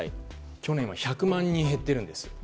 去年は１００万人減ってるんです。